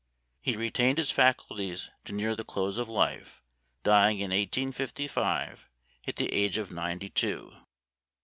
He retained his faculties to near the close of life, dying in 1855, at the age of ninety two.